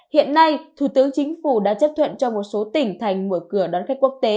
hiện nay thủ tướng chính phủ đã chấp thuận cho một số tỉnh thành mở cửa đón khách quốc tế